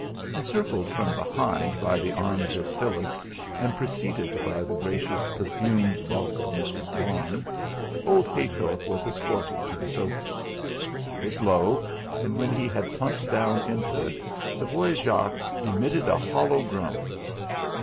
Encircled from behind by the arms of Phyllis, and preceded by the gracious perfumed bulk of Mrs. Larne, old Heythorp was escorted to the sofa. It was low, and when he had plumped down into it, the boy Jock emitted a hollow groan.